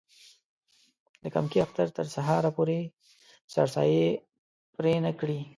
د کمکي اختر تر سهاره پورې سرسایې پرې نه کړي.